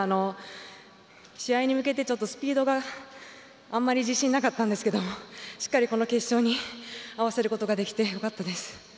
試合に向けてスピードがあんまり自信なかったんですけどしっかり、この決勝に合わせることができてよかったです。